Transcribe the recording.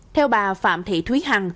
theo bà phạm thị thúy hằng